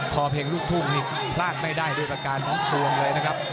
เพลงลูกทุ่งนี่พลาดไม่ได้ด้วยประการทั้งปวงเลยนะครับ